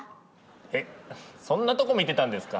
えっそんなとこ見てたんですか？